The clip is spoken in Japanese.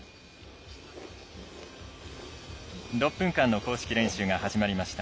６分間の公式練習が始まりました。